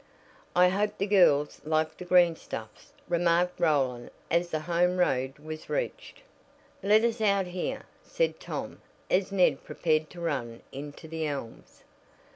"I hope the girls like the greenstuffs," remarked Roland as the home road was reached. "Let us out here," said Tom as Ned prepared to run into The Elms.